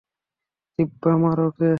দিব্যা, মার ওকে।